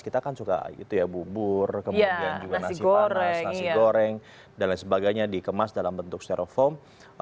kita kan suka gitu ya bubur kemudian juga nasi panas nasi goreng dan lain sebagainya dikemas dalam bentuk steroform